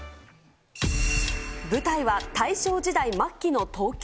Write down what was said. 舞台は大正時代末期の東京。